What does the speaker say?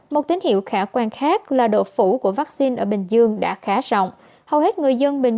một tín hiệu khả quan khác là độ phủ của vaccine ở bình dương đã khá rộng hầu hết người dân bình